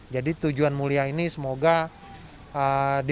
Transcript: jadi tujuan mulia ini semoga diberkati